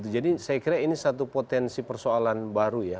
jadi saya kira ini satu potensi persoalan baru ya